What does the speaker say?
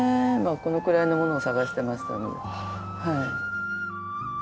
このくらいのものを探してましたのではい。